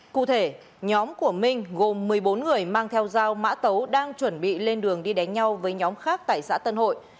cụ thể nhóm của minh gồm một mươi bốn người mang theo dao mã tấu đang chuẩn bị lên đường đi đánh nhau với nhóm khác tại xã tân hội